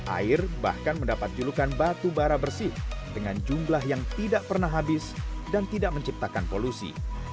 air bahkan mendapat julukan batu bara bersih dengan jumlah yang tidak pernah habis dan tidak menciptakan polusi